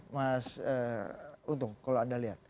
mas untung kalau anda lihat